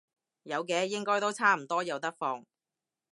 有嘅，應該都差唔多有得放